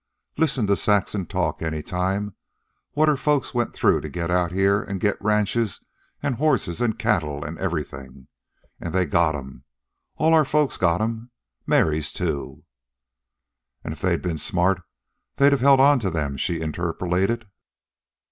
Listen to Saxon talk any time what her folks went through to get out here an' get ranches, an' horses, an' cattle, an' everything. And they got 'em. All our folks' got 'em, Mary's, too " "And if they'd ben smart they'd a held on to them," she interpolated.